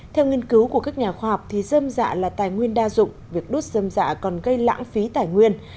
theo nghiên cứu của các nhà khoa học dâm dạ là tài nguyên đa dụng việc đốt dơm dạ còn gây lãng phí tài nguyên